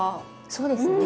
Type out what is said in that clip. そうですね。